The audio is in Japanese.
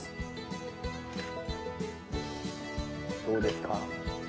どうですか？